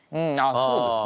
そうですね。